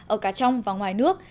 ở cả trong và ngoài nước